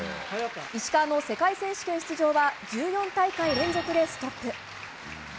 石川の世界選手権出場は１４大会連続でストップ。